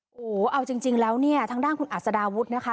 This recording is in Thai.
โอ้โหเอาจริงแล้วเนี่ยทางด้านคุณอัศดาวุฒินะคะ